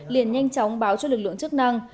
liền nhanh chóng báo cho lực lượng chức năng